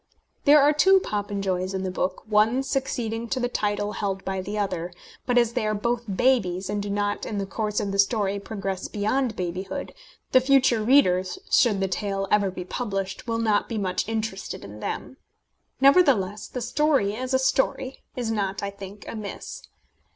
_ There are two Popenjoys in the book, one succeeding to the title held by the other; but as they are both babies, and do not in the course of the story progress beyond babyhood, the future readers, should the tale ever be published, will not be much interested in them. Nevertheless the story, as a story, is not, I think, amiss.